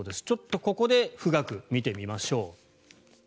ちょっとここで富岳、見てみましょう。